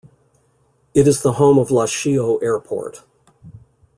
It is the home of Lashio Airport.